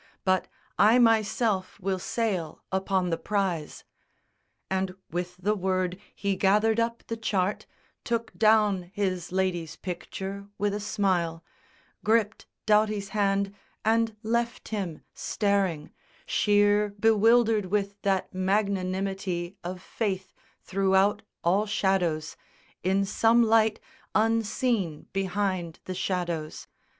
But I myself will sail upon the prize." And with the word he gathered up the chart, Took down his lady's picture with a smile, Gripped Doughty's hand and left him, staring, sheer Bewildered with that magnanimity Of faith, throughout all shadows, in some light Unseen behind the shadows.